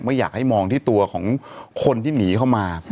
ไม่อยากให้มองที่ตัวของคนที่หนีเข้ามา